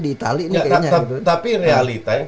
di itali ini kayaknya tapi realita